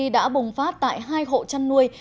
đã bùng phát tại hai hộ chăn nuôi